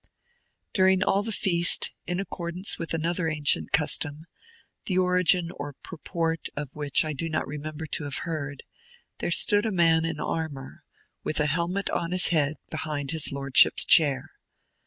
During all the feast, in accordance with another ancient custom, the origin or purport of which I do not remember to have heard, there stood a man in armor, with a helmet on his head, behind his Lordship's chair.